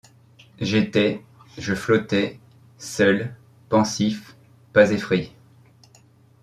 J’étais, je flottais, seul, pensif, pas effrayé ;